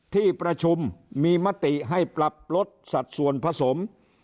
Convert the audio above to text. ที่ประชุมมีมติให้ปรับลดสัดส่วนผสม